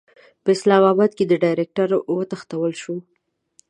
په اسلاماباد کې د ډایرکټر وتښتول شو.